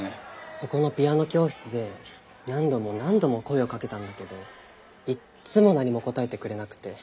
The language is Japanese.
そこのピアノ教室で何度も何度も声をかけたんだけどいっつも何も答えてくれなくて。